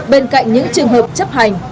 bên cạnh những trường hợp chấp hành